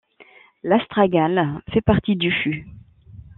L'astragale fait partie du fût.